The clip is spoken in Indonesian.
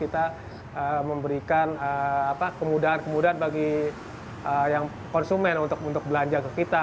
kita memberikan kemudahan kemudahan bagi konsumen untuk belanja ke kita